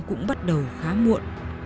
cũng bắt đầu khá muộn